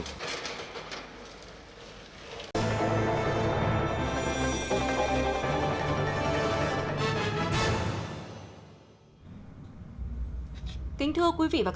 kính thưa quý vị và các bạn năm hai nghìn một mươi sáu là một năm diễn ra nhiều sự kiện quan trọng đối với ngành du